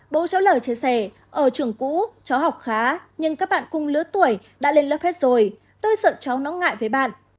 bố cháu lở chia sẻ ở trường cũ cháu học khá nhưng các bạn cùng lứa tuổi đã lên lớp hết rồi tôi sợ cháu ngẫu ngại với bạn